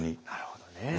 なるほどね。